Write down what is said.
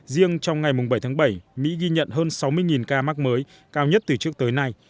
riêng trong ngày bảy tháng bảy mỹ ghi nhận hơn sáu mươi ca mắc mới cao nhất từ trước tới nay